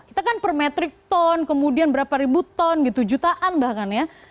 kita kan per metrik ton kemudian berapa ribu ton gitu jutaan bahkan ya